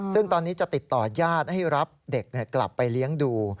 ซึ่งตอนนี้จะติดต่อญาติให้รับเด็กกลับไปเลี้ยงดู